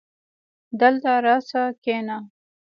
دلته راسه کينه